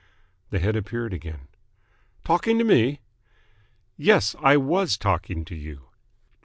The head appeared again. "Talking to me?" "Yes, I was talking to you."